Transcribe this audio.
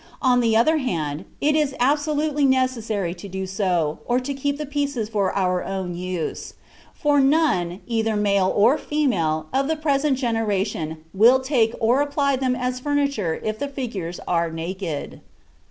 On the other hand, it is absolutely necessary to do so, or to keep the pieces for our own use; for none, either male or female, of the present generation will take or apply them as furniture if the figures are naked."